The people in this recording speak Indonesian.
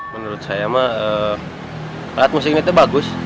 menurut saya emang alat musik ini itu bagus